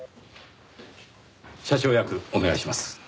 社長役お願いします。